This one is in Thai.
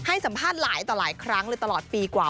ให้สัมภาษณ์หลายต่อหลายครั้งเลยตลอดปีกว่า